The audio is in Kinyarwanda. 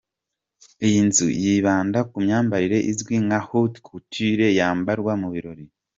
Iyi nzu yibanda ku myambaro izwi nka ‘Haute Couture’ yambarwa mu birori.